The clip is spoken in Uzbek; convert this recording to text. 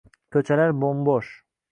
koʼchalar boʼm-boʼsh